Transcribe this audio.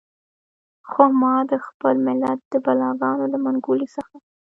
خو ما د خپل ملت د بلاګانو له منګولو څخه.